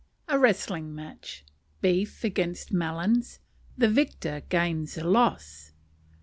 A Wrestling Match. Beef against Melons. The Victor gains a Loss.